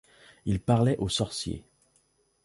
Il parlait aux sorciers.